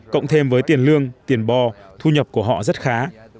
cộng thêm với tiền lương tiền bo thu nhập của họ rất khá